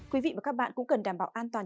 quý vị và các bạn cũng cần đảm bảo an toàn